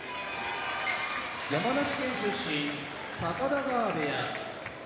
山梨県出身高田川部屋